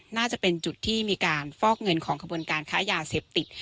น่าจะเป็นจุดที่มีการฟอกเงินของขบวนการค้ายาเสพติด